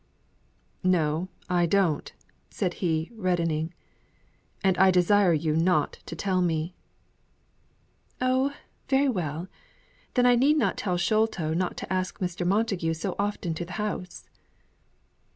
"No, I don't," said he, reddening. "And I desire you not to tell me." "Oh, very well; then I need not tell Sholto not to ask Mr. Montagu so often to the house."